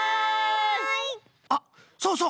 あっそうそう！